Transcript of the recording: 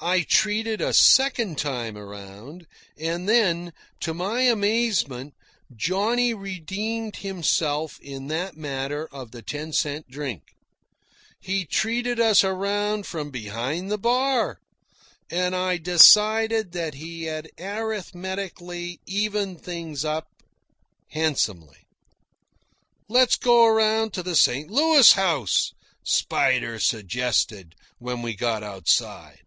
I treated a second time around, and then, to my amazement, Johnny redeemed himself in that matter of the ten cent drink. He treated us around from behind the bar, and I decided that he had arithmetically evened things up handsomely. "Let's go around to the St. Louis House," Spider suggested when we got outside.